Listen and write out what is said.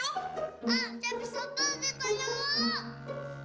ah tapi sopoh gitu yuk